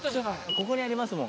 ここにありますもん。